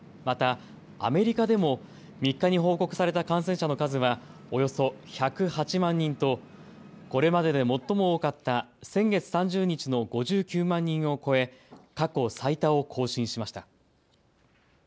また、アメリカでも３日に報告された感染者の数はおよそ１０８万人とこれまでで最も多かった先月３０日の５９万人を超え、過去最多を更新しました。